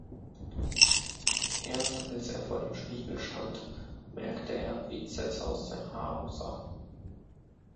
Erst als er vor dem Spiegel stand, merkte er wie zerzaust sein Haar aussah.